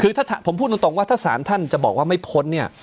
คือถ้าผมพูดตรงว่าถ้าสารท่านจะบอกว่าไม่พ้นเนี่ย